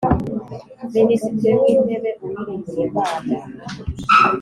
Minisitiri w Intebe Uwiringiyimana